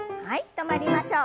止まりましょう。